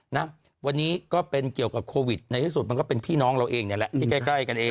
นะวันนี้ก็เป็นเกี่ยวกับโควิดในที่สุดมันก็เป็นพี่น้องเราเองเนี่ยแหละที่ใกล้กันเอง